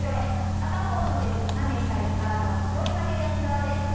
片方の腕を斜め下に体を横に曲げる運動です。